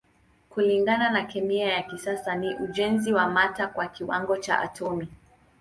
Kulingana na kemia ya kisasa ni ujenzi wa mata kwa kiwango cha atomi.